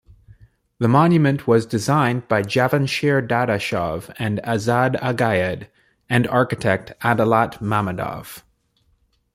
The monument was designed by Javanshir Dadashov and Azad Agayed, and architect Adalat Mammadov.